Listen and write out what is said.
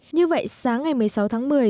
như vậy sáng ngày một mươi sáu tháng một mươi